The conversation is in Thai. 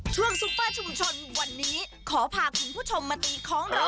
ซุปเปอร์ชุมชนวันนี้ขอพาคุณผู้ชมมาตีของเรา